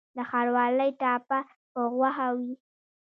د ښاروالۍ ټاپه په غوښه وي؟